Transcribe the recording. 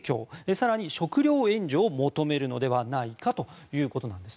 更に、食料援助を求めるのではないかということです。